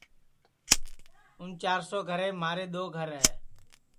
اُن چِار سو گھریم مھارے دؔو گھر ہے